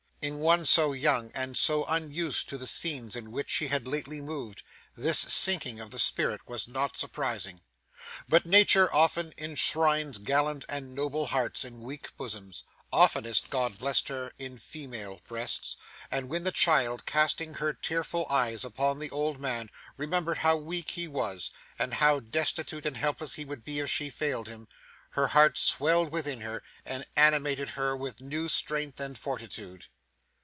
In one so young, and so unused to the scenes in which she had lately moved, this sinking of the spirit was not surprising. But, Nature often enshrines gallant and noble hearts in weak bosoms oftenest, God bless her, in female breasts and when the child, casting her tearful eyes upon the old man, remembered how weak he was, and how destitute and helpless he would be if she failed him, her heart swelled within her, and animated her with new strength and fortitude.